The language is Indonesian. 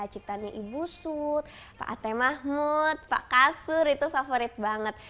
ciptanya ibu sud pak ate mahmud pak kasur itu favorit banget